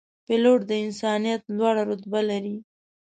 پیلوټ د انسانیت لوړه رتبه لري.